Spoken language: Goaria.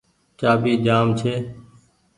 چآٻي جآم ڇي۔